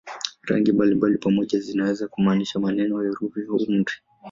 Rangi mbalimbali pamoja zinaweza kumaanisha maneno, herufi au amri.